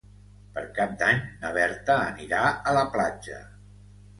Per Cap d'Any na Berta anirà a la platja.